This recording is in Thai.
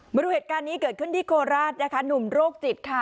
มาดูเหตุการณ์นี้เกิดขึ้นที่โคราชนะคะหนุ่มโรคจิตค่ะ